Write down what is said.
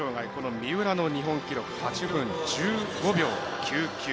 三浦の日本記録８分１５秒９９。